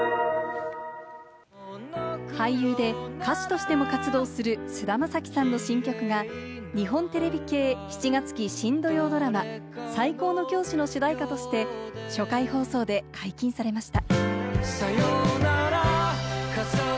俳優で歌手としても活動する菅田将暉さんの新曲が日本テレビ系７月期新土曜ドラマ『最高の教師』の主題歌として、初回放送で解禁されました。